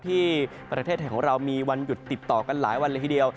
ที่ประเทศไทยของเรามีวันหยุดติดต่อกันหลายวันเลยทีเดียว